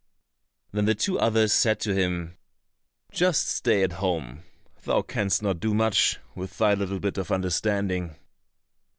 Then the two others said to him, "Just stay at home; thou canst not do much with thy little bit of understanding."